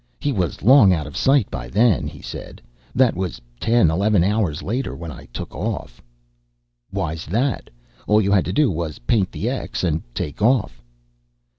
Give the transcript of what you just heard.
"He was long out of sight by then," he said. "That was ten, eleven hours later, when I took off." "Why's that? All you had to do was paint the X and take off."